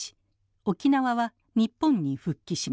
沖縄は日本に復帰します。